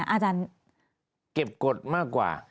อาจารย์เก็บกฎมากกว่า